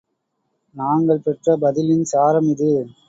நாங்கள் பெற்ற பதிலின் சாரம் இது.